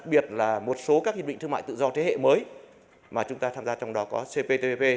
hiệp định thương mại tự do thế hệ mới mà chúng ta tham gia trong đó có cptpp